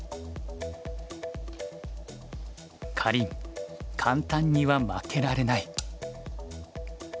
かりん簡単には負けられない。